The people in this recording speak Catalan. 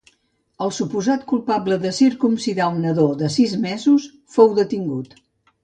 El suposat culpable de circumcidar un nadó de sis mesos fou detingut.